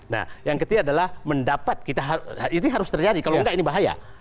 nah yang ketiga adalah mendapat ini harus terjadi kalau enggak ini bahaya